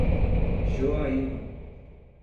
Joaíma